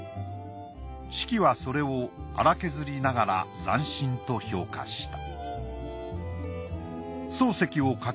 子規はそれを粗削りながら斬新と評価した。